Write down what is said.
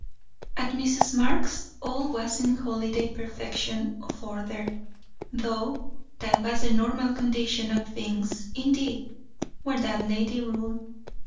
At Mrs. Marx's all was in holiday perfection of order; though that was the normal condition of things, indeed, where that lady ruled.